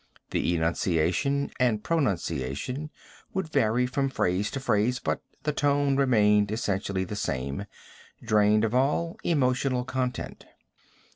The enunciation and pronunciation would vary from phrase to phrase, but the tone remained essentially the same, drained of all emotional content.